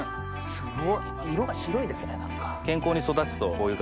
すごい。色が白いですね何か。